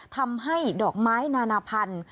ทำให้ดอกไม้นานาพันธุ์